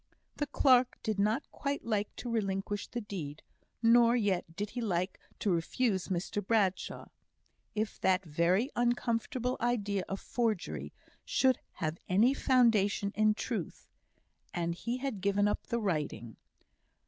The clerk did not quite like to relinquish the deed, nor yet did he like to refuse Mr Bradshaw. If that very uncomfortable idea of forgery should have any foundation in truth and he had given up the writing!